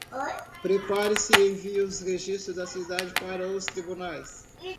Prepare e envie os registros da cidade para os tribunais.